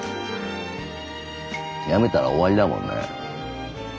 やめたら終わりだもんね。